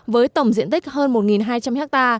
với tổng diện tích hơn một hai trăm linh ha